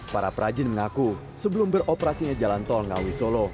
para perajin mengaku sebelum beroperasinya jalan tol ngawi solo